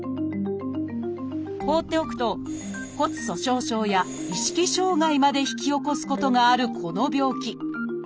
放っておくと骨粗鬆症や意識障害まで引き起こすことがあるこの病気。